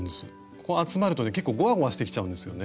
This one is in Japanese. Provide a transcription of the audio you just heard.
こう集まるとね結構ゴワゴワしてきちゃうんですよね。